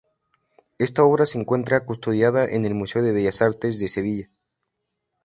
Esta obra se encuentra custodiada en el Museo de Bellas Artes de Sevilla.